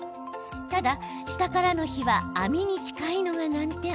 ただ、下からの火は網に近いのが難点。